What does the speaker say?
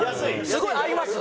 すごい合います。